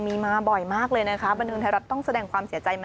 มีมาบ่อยมากเลยนะคะบันเทิงไทยรัฐต้องแสดงความเสียใจมา